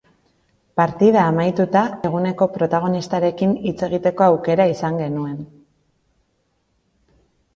Partida amaituta, eguneko protagonistarekin hitz egiteko aukera izan genuen.